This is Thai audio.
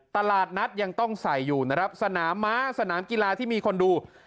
ตลาดนัดยังต้องใส่อยู่นะครับสนามม้าสนามกีฬาที่มีคนดู